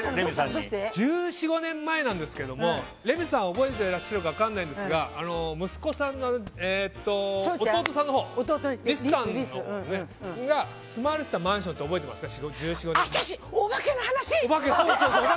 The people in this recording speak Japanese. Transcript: １４１５年前なんですけどレミさん覚えていらっしゃるか分からないんですが息子さんの弟さんのほう率さんが住まわれていたマンションって覚えていますか？